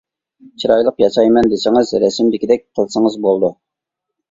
چىرايلىق ياسايمەن دېسىڭىز رەسىمدىكىدەك قىلسىڭىز بولىدۇ.